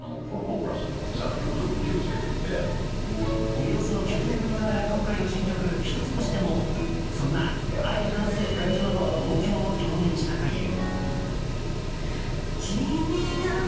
およそ９年ぶりとなる今回の新曲「ヒトツボシ」でもそんな、相反する感情の同居を表現したという。